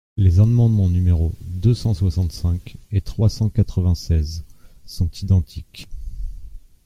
Les amendements numéros deux cent soixante-cinq et trois cent quatre-vingt-seize sont identiques.